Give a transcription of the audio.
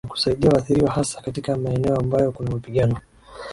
na kusaidia waathiriwa hasa katika maeneo ambayo kuna mapigano